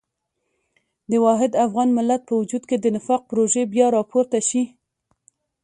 د واحد افغان ملت په وجود کې د نفاق پروژې بیا راپورته شي.